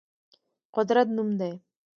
قدرت نوم دی.